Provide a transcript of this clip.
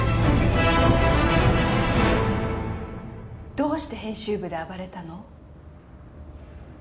どうして編集部で暴れたの？